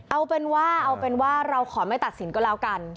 เอาเป็นว่าเราขอไม่ตัดสินก็แล้วกัน